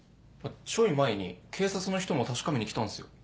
ちょい前に警察の人も確かめに来たんすよ。